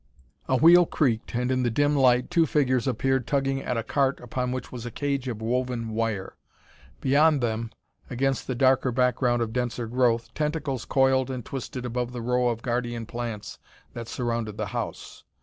A wheel creaked, and in the dim light two figures appeared tugging at a cart upon which was a cage of woven wire. Beyond them, against the darker background of denser growth, tentacles coiled and twisted above the row of guardian plants that surrounded the house.